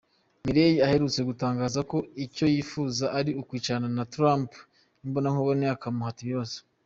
Mueller aherutse gutangaza ko icyo yifuza ari ukwicarana na Trump imbonankubone akamuhata ibibazo.